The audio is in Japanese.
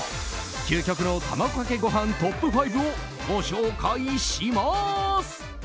究極の卵かけご飯トップ５をご紹介します！